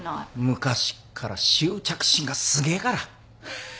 昔っから執着心がすげえから。